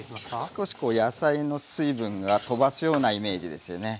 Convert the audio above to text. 少しこう野菜の水分がとばすようなイメージですよね。